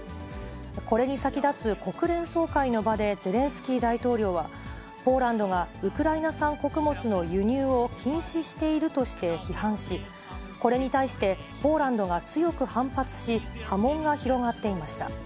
これに先立つ国連総会の場で、ゼレンスキー大統領は、ポーランドがウクライナ産穀物の輸入を禁止しているとして批判し、これに対して、ポーランドが強く反発し、波紋が広がっていました。